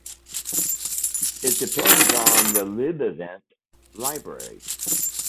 It depends on the libevent library.